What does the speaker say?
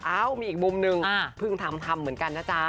เอ้ามีอีกมุมนึงเพิ่งทำทำเหมือนกันนะจ๊ะ